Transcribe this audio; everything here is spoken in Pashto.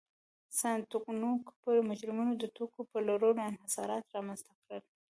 ساتونکو پر مجرمینو د توکو د پلور انحصارات رامنځته کړل.